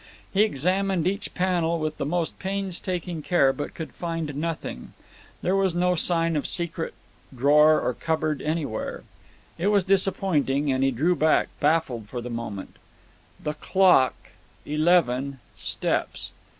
He examined each panel with the most painstaking care, but could find nothing. There was no sign of secret drawer or cupboard anywhere. It was disappointing, and he drew back, baffled for the moment "The clock eleven steps."